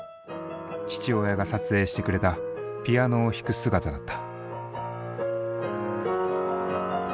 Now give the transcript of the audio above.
父親が撮影してくれたピアノを弾く姿だった。